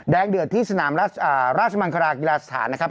เดือดที่สนามราชมังคลากีฬาสถานนะครับ